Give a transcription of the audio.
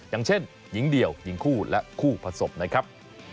อย่างเช่นหญิงเดี่ยวหญิงคู่และคู่ผสมนะครับ